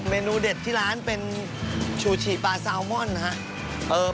เมนูเด็ดที่ร้านเป็นชูชิปลาซาวม่อนนะครับ